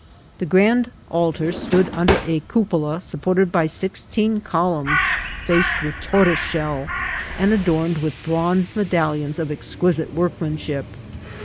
The grand altar stood under a cupo la supported by sixteen columns faced with tortoise shell, and adorned with bronze medallions of exquisite workmanship.